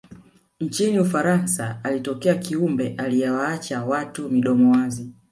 nchini ufaransa alitokea kiumbe aliyewaacha watu midomo wazi